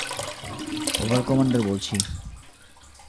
Over commander বলছি।